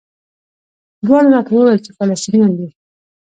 دواړو راته وویل چې فلسطینیان دي.